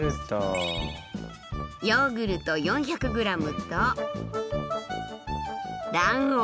ヨーグルト４００ｇと卵黄。